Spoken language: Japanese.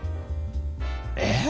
えっ！？